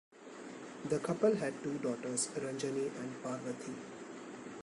The couple had two daughters Ranjani and Parvathy.